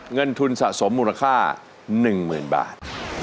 เงินทุนสะสมมูลค่า๑๐๐๐บาท